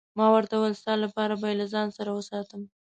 ما ورته وویل: ستا لپاره به يې له ځان سره وساتم.